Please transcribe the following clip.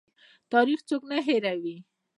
تاریخ څوک نه هیروي